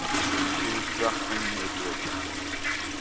She was struck from the Navy Register.